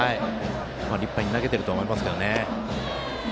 立派に投げてると思いますけどね。